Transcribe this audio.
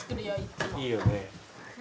いいよね。